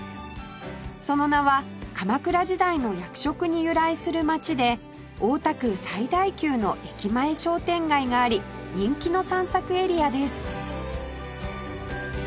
その名は鎌倉時代の役職に由来する町で大田区最大級の駅前商店街があり人気の散策エリアです